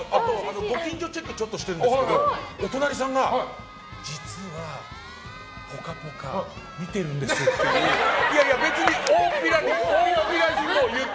ご近所チェックしてるんですけどお隣さんが、実は「ぽかぽか」見てるんですって。